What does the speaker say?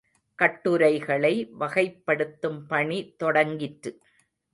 கட்டுரைகளை வகைப்படுத்தும் பணி தொடங்கிற்று.